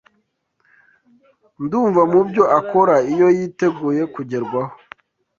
Ndumva mubyo akora iyo yiteguye kugerwaho